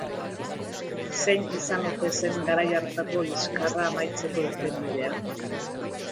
Zein izan ote zen garai hartako liskarra amaitzeko irtenbidea?